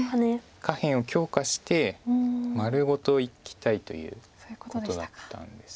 下辺を強化して丸ごといきたいということだったんです。